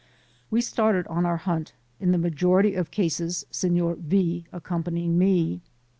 We started on our hunt, in the majority of cases Signor V accompanying me.